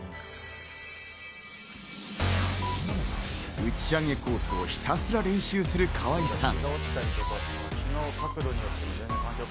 射ち上げコースをひたすら練習する河合さん。